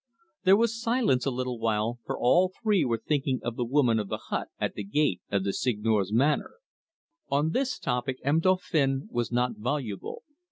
There was silence a little while, for all three were thinking of the woman of the hut, at the gate of the Seigneur's manor. On this topic M. Dauphin was not voluble.